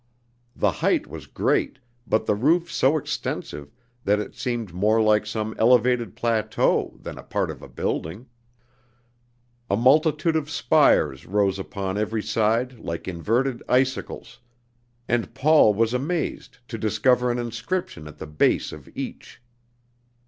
The height was great, but the roof so extensive that it seemed more like some elevated plateau than a part of a building. A multitude of spires rose upon every side like inverted icicles, and Paul was amazed to discover an inscription at the base of each.